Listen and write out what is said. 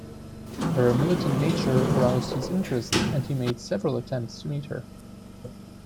Her militant nature aroused his interest and he made several attempts to meet her.